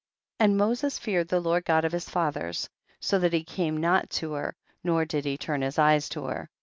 32. And Moses feared the Lord God of his fathers, so that he came not to her, nor did he turn his eyes to her.